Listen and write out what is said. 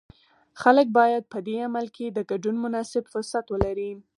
خلک باید په دې عمل کې د ګډون مناسب فرصت ولري.